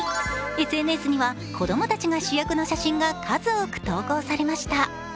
ＳＮＳには子供たちが主役の写真が数多く投稿されました。